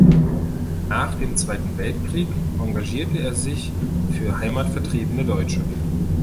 Nach dem Zweiten Weltkrieg engagierte er sich für heimatvertriebene Deutsche.